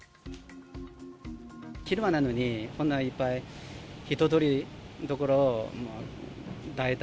昼間なのに、こんないっぱい人通りの所を、大胆。